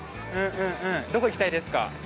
どこ行きたいですか？